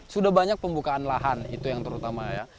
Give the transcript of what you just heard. sudah banyak pembukaan lahan itu yang terutama ya